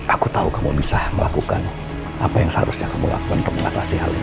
aku tahu kamu bisa melakukan apa yang seharusnya kamu lakukan untuk mengatasi hal ini